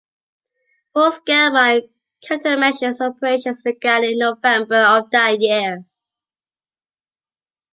Full scale mine countermeasures operations began in November of that year.